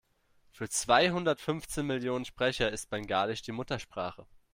Für zweihundert-fünfzehn Millionen Sprecher ist Bengalisch die Muttersprache.